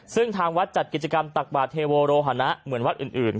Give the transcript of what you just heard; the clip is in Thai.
ซึ่งทางวัดจัดกิจกรรมตักบาทเทโวโรหนะเหมือนวัดอื่น